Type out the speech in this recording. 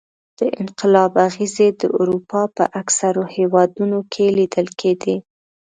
د انقلاب اغېزې د اروپا په اکثرو هېوادونو کې لیدل کېدې.